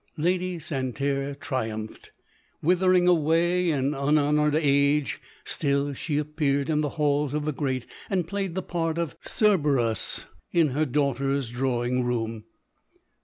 Lady Santerre triumphed. Withering away in unhonoured age, still she appeared in the halls of the great, and played the part of Cerberus in her daughter's drawing room.